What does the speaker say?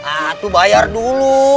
ah itu bayar dulu